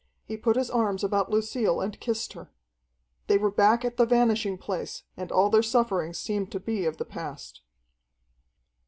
He put his arms about Lucille and kissed her. They were back at the Vanishing Place, and all their sufferings seemed to be of the past....